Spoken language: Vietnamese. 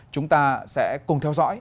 chúng ta sẽ cùng theo dõi